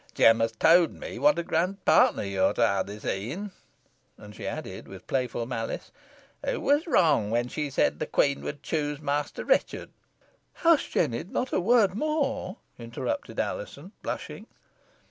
"Jem has towd me whot a grand partner you're to ha' this e'en." And, she added, with playful malice, "Who was wrong whon she said the queen could choose Master Richard " "Hush, Jennet, not a word more," interrupted Alizon, blushing.